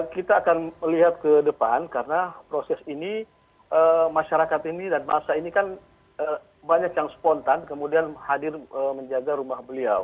kita akan melihat ke depan karena proses ini masyarakat ini dan masa ini kan banyak yang spontan kemudian hadir menjaga rumah beliau